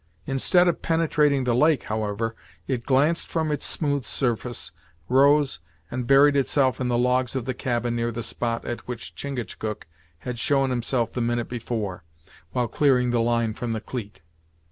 Instead of penetrating the lake, however, it glanced from its smooth surface, rose, and buried itself in the logs of the cabin near the spot at which Chingachgook had shown himself the minute before, while clearing the line from the cleet.